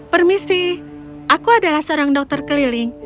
permisi aku adalah seorang dokter keliling